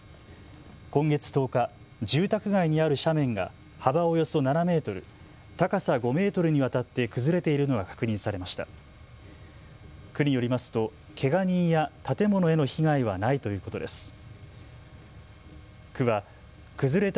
今月１０日住宅街にある斜面が幅およそ７メートル、高さ５メートルにわたって崩れているのが確認されました。